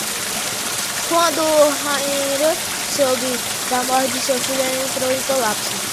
Quando Rhaenyra soube da morte de seu filho, ela entrou em colapso.